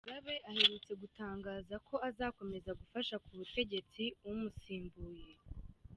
Mugabe aherutse gutangaza ko azakomeza gufasha ku butegetsi umusimbuye.